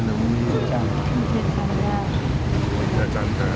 kawasan pribadi kualitas desa kawasan kawasan